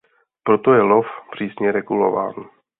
Proto je lov přísně regulován.